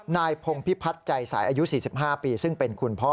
นายพงพิพัฒน์ใจสายอายุ๔๕ปีซึ่งเป็นคุณพ่อ